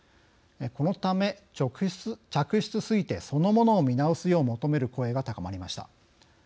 このため、嫡出推定そのものを見直すよう求める声が高まりました。